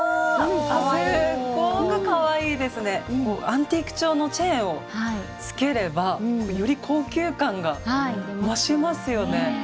アンティーク調のチェーンをつければより高級感が増しますよね。